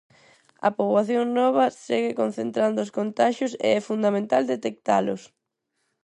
A poboación nova segue concentrando os contaxios, e é fundamental detectalos.